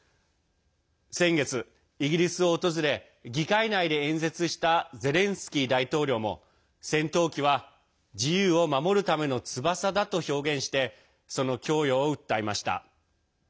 先月、イギリスを訪れ議会内で演説したゼレンスキー大統領も戦闘機は自由を守るための翼だと表現してその供与を訴えました。